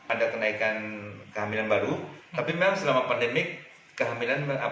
ada kenaikan kehamilan baru tapi memang selama pandemi kehamilan